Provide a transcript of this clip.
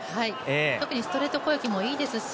特にストレート攻撃もいいですし。